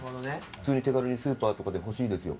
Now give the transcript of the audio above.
普通に手軽にスーパーとかで欲しいですよ。